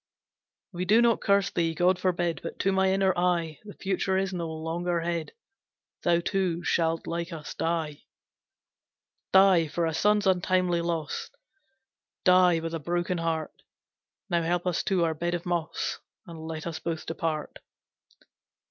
"We do not curse thee, God forbid But to my inner eye The future is no longer hid, Thou too shalt like us die. "Die for a son's untimely loss! Die with a broken heart! Now help us to our bed of moss, And let us both depart."